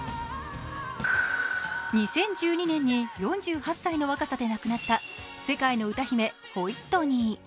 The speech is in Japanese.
２０１２年に４８歳の若さで亡くなった世界の歌姫・ホイットニー。